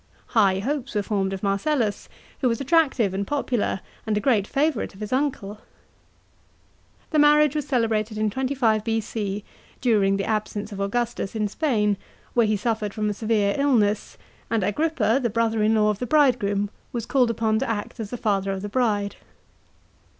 High hopes were formed of Marcellus, who was attractive and popular and a great favourite of his uncle. The marriage was celebrated in 25 B.C., during the absence of Augustus in Spain, where he suffered from a severe illness, and Agrippa, the brother in law of the bridegroom, was called upon to act as the father of the bride.